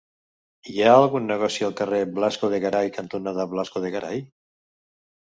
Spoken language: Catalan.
Hi ha algun negoci al carrer Blasco de Garay cantonada Blasco de Garay?